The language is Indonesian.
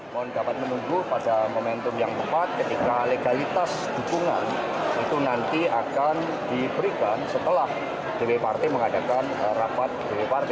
mohon dapat menunggu pada momentum yang tepat ketika legalitas dukungan itu nanti akan diberikan setelah dprt mengadakan rapat dprt